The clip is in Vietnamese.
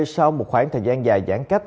sau một khoảng thời gian dài giãn cách